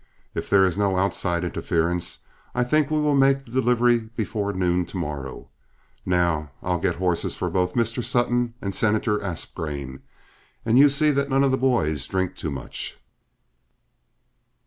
If there is no outside interference, I think we will make the delivery before noon to morrow. Now, I'll get horses for both Mr. Sutton and Senator Aspgrain, and you see that none of the boys drink too much.